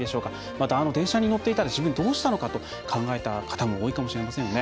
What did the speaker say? また、あの電車に乗っていたら自分はどうしたのかと考えた方も多いかもしれませんね。